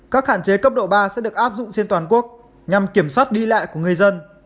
các hạn chế cấp độ ba sẽ được áp dụng trên toàn quốc nhằm kiểm soát đi lại của người dân